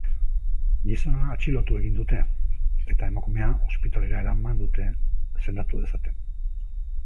Gizona atxilotu egin dute eta emakumea ospitalera eraman dute sendatu dezaten.